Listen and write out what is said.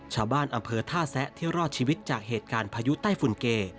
ชาวบ้านอำเภอท่าแซะที่รอดชีวิตจากเหตุการณ์พายุใต้ฝุ่นเก